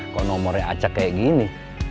kok nomornya acak kayak gini